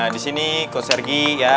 di sini coach sergei ya